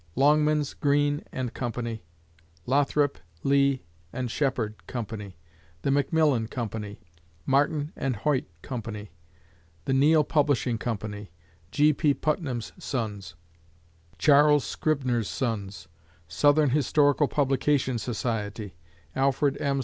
Longmans, Green & Co.; Lothrop, Lee, and Shepard Co.; The Macmillan Co.; Martin & Hoyt Co.; The Neale Publishing Co.; G. P. Putnam's Sons; Charles Scribner's Sons; Southern Historical Publication Society; Alfred M.